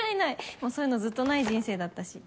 もうそういうのずっとない人生だったし。